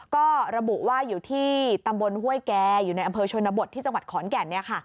ก็ระบุว่าอยู่ที่ตำบลห้วยแก่อยู่ในอำเภอชนบทที่จังหวัดขอนแก่น